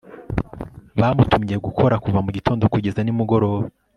bamutumye gukora kuva mugitondo kugeza nimugoroba